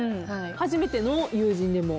初めての友人でも？